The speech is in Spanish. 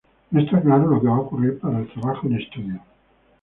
No está claro lo que va a ocurrir para el trabajo en estudio.